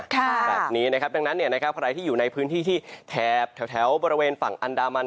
แบบนี้นะครับดังนั้นใครที่อยู่ในพื้นที่ที่แถบแถวบริเวณฝั่งอันดามัน